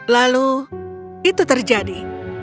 lalu itu terjadi